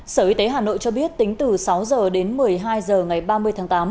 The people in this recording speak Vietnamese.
sở y tế hà nội cho biết tính từ sáu h đến một mươi hai h ngày ba mươi tháng tám